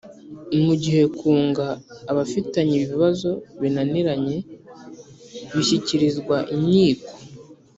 Mu gihe kunga abafitanye ibibazo binaniranye bishyikirizwa inyiko